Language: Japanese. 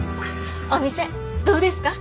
お店どうですか？